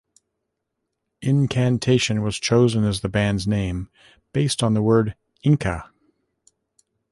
Incantation was chosen as the band's name, based on the word "Inca".